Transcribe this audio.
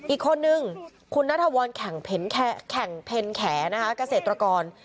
อีกคนหนึ่งคุณนาธวรแข่งเพ็ญแข่กระเศษตรากร